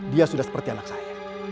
dia sudah seperti anak saya